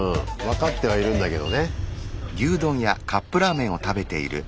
分かってはいるんだけどね。